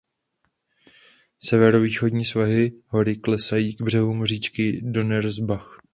Severovýchodní svahy hory klesají k břehům říčky Donnersbach.